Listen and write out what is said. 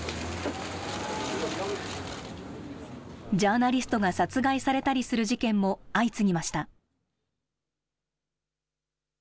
ジャーナリストが殺害されたりする事件も相次ぎました。